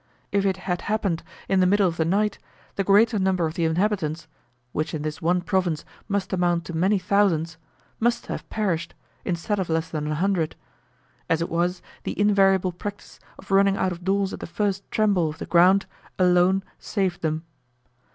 If it had happened in the middle of the night, the greater number of the inhabitants (which in this one province must amount to many thousands) must have perished, instead of less than a hundred: as it was, the invariable practice of running out of doors at the first trembling of the ground, alone saved them.